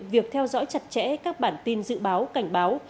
việc theo dõi chặt chẽ các bản tin dự báo cảnh báo